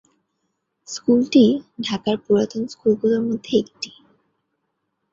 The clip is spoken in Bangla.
স্কুল টি ঢাকার পুরাতন স্কুল গুলোর মধ্যে একটি।